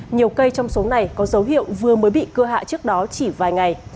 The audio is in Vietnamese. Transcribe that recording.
nhiều cây trong số này có dấu hiệu vừa mới bị cưa hạ trước đó chỉ vài ngày